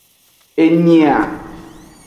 Enyi a.